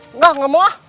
enggak gak mau ah